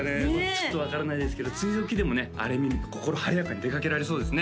ちょっと分からないですけど梅雨時でもねあれ見ると心晴れやかに出かけられそうですね